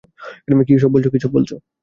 কি সব বলছো?